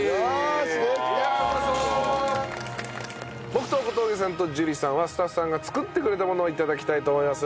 僕と小峠さんと樹里さんはスタッフさんが作ってくれたものを頂きたいと思います。